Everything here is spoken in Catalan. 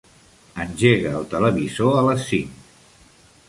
Engega el televisor a les cinc.